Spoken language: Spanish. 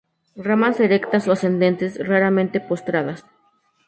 Ramas erectas o ascendentes, raramente postradas.